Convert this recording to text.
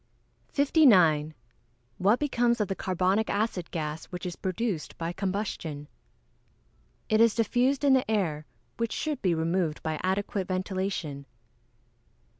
_ 59. What becomes of the carbonic acid gas which is produced by combustion? It is diffused in the air, which should be removed by adequate ventilation.